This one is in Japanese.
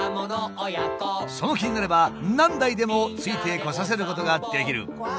その気になれば何台でもついてこさせることができる。